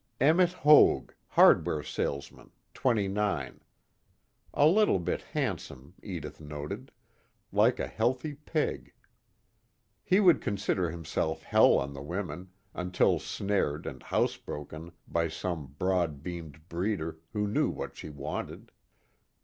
Emmet Hoag, hardware salesman, twenty nine. A little bit handsome, Edith noted like a healthy pig. He would consider himself hell on the women until snared and housebroken by some broad beamed breeder who knew what she wanted.